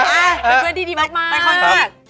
ไปเพื่อนดีมาก